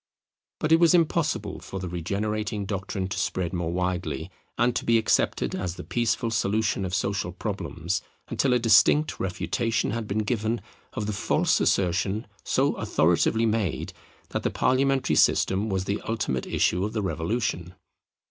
But it was impossible for the regenerating doctrine to spread more widely and to be accepted as the peaceful solution of social problems, until a distinct refutation had been given of the false assertion so authoritatively made that the parliamentary system was the ultimate issue of the Revolution.